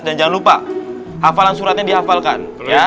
dan jangan lupa hafalan suratnya dihafalkan